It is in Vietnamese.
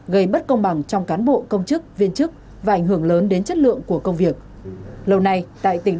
gây bất công bằng trong cán bộ công chức viên chức và ảnh hưởng lớn đến trung tâm